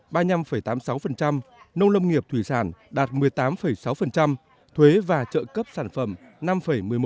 công nghiệp xây dựng bốn mươi bốn mươi ba dịch vụ ba mươi năm tám mươi sáu nông lâm nghiệp thủy sản đạt một mươi tám sáu thuế và trợ cấp sản phẩm năm một mươi một